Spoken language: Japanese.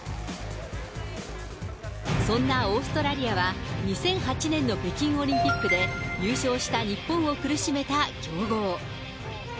そんなオーストラリアは、２００８年の北京オリンピックで優勝した日本を苦しめた強豪。